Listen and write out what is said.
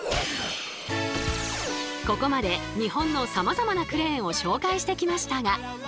ここまで日本のさまざまなクレーンを紹介してきましたが。